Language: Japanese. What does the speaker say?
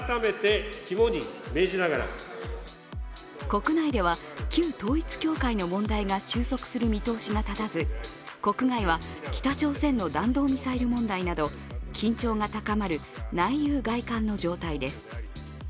国内では旧統一教会の問題が収束する見通しが立たず、国外は北朝鮮の弾道ミサイル問題など緊張が高まる内憂外患の状態です。